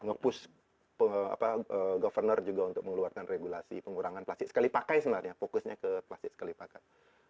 nge push governor juga untuk mengeluarkan regulasi pengurangan plastik sekali pakai sebenarnya fokusnya ke plastik sekali pakai